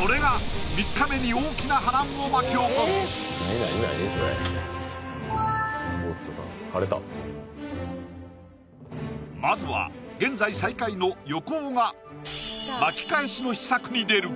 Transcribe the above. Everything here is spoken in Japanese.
これが３日目に大きな波乱を巻き起こすごっつさん晴れたまずは現在最下位の横尾が巻き返しの秘策に出る！